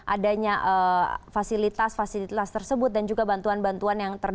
adanya fasilitas fasilitas tersebut dan juga bantuan bantuan yang ada di sana